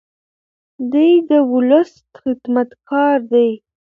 دی د ولس خدمتګار دی.